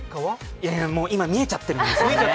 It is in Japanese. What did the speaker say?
今、見えちゃってるんですよね。